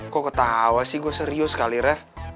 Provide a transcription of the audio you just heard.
kok ketawa sih gue serius sekali ref